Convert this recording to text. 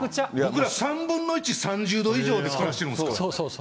僕ら、３分の１、３０度以上で暮らしてるんですか？